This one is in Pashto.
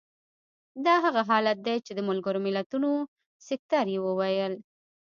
دا هغه حالت دی چې د ملګرو ملتونو سکتر یې وویل.